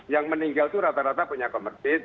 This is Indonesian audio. yang meninggal itu rata rata punya komorbid